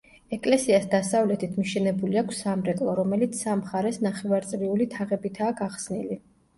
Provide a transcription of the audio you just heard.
ეკლესიას დასავლეთით მიშენებული აქვს სამრეკლო, რომელიც სამ მხარეს ნახევარწრიული თაღებითაა გახსნილი.